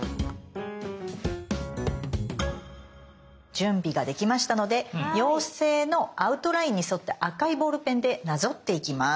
準備ができましたので妖精のアウトラインに沿って赤いボールペンでなぞっていきます。